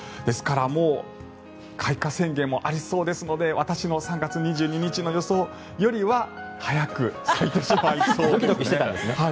ですからもう開花宣言もありそうですので私の３月２２日の予想よりは早く咲いてしまいそうですね。